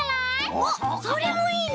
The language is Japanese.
おっそれもいいね。